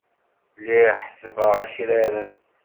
Lliɣ ḥessbeɣ akraren.